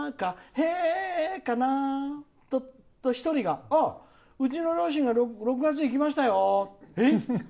すると１人がうちの両親が６月行きましたよって。